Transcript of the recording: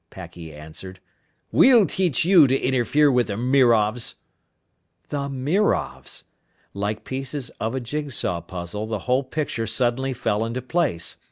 Packy answered. "We'll teach you to interfere with the Mirovs!" The Mirovs! Like pieces of a jigsaw puzzle, the whole picture suddenly fell into place.